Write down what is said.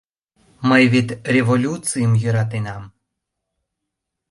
Мый вет Революцийым йӧратенам...